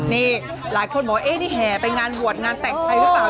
นี่หลายคนบอกว่านี่แห่ไปงานบวชงานแต่งไทยหรือเปล่า